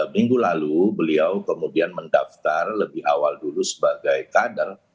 minggu lalu beliau kemudian mendaftar lebih awal dulu sebagai kader